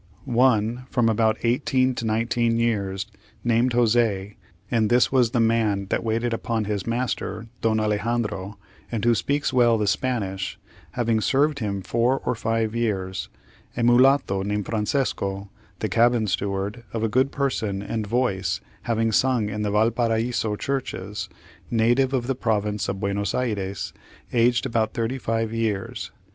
_] —One, from about eighteen to nineteen years, named José, and this was the man that waited upon his master, Don Alexandro, and who speaks well the Spanish, having served him four or five years; a mulatto, named Francesco, the cabin steward, of a good person and voice, having sung in the Valparaiso churches, native of the province of Buenos Ayres, aged about thirty five years.